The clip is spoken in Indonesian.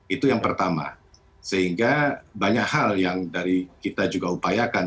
itu yang pertama sehingga banyak hal yang dari kita juga upayakan